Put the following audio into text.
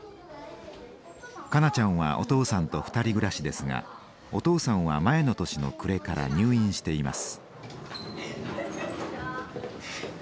香菜ちゃんはお父さんと二人暮らしですがお父さんは前の年の暮れから入院しています。